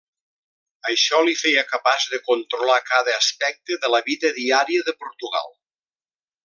Això li feia capaç de controlar cada aspecte de la vida diària de Portugal.